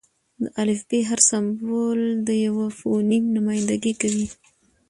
د الفبې: هر سېمبول د یوه فونیم نمایندګي کوي.